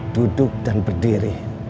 duduk dan berdiri